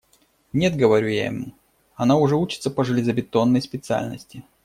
«Нет, – говорю я ему, – она уже учится по железобетонной специальности».